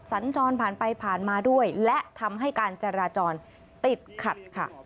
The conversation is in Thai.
สัญจรผ่านไปผ่านมาด้วยและทำให้การจราจรติดขัดค่ะ